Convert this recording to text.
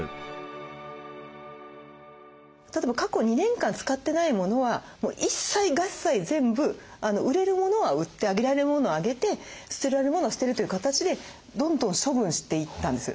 例えば過去２年間使ってないモノは一切合財全部売れるモノは売ってあげられるモノはあげて捨てられるモノは捨てるという形でどんどん処分していったんです。